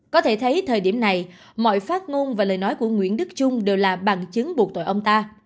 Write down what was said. có thể thấy thời điểm này mọi phát ngôn và lời nói của nguyễn đức trung đều là bằng chứng buộc tội ông ta